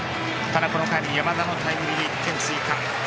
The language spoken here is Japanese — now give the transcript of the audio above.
ただ、この間にタイムリー１点追加。